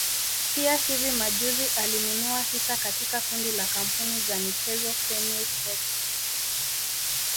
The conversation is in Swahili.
Pia hivi majuzi alinunua hisa katika kundi la kampuni za michezo Fenway sports